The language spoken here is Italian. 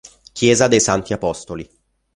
Chiesa dei Santi Apostoli